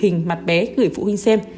chị u nhắn tin mặt bé gửi phụ huynh xem